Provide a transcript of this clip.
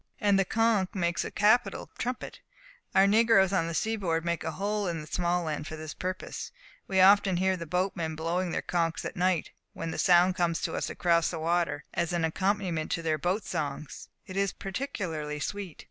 And the conch makes a capital trumpet; our negroes on the seaboard make a hole in the small end for this purpose. We often hear the boatmen blowing their conchs at night; and when the sound comes to us across the water, as an accompaniment to their boat songs, it is particularly sweet."